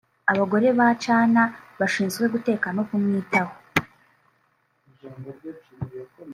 Abagore ba Chana bashinzwe guteka no kumwitaho